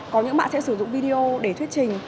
có những bạn sẽ sử dụng video để thuyết trình